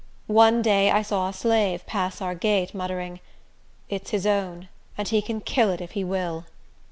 One day I saw a slave pass our gate, muttering, "It's his own, and he can kill it if he will."